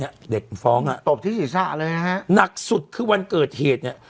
เด็กมันฟ้องอ่ะตบที่ศีรษะเลยนะฮะหนักสุดคือวันเกิดเหตุเนี่ย